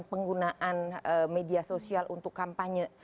penggunaan media sosial untuk kampanye